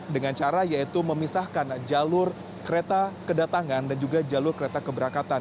dengan cara yaitu memisahkan jalur kereta kedatangan dan juga jalur kereta keberangkatan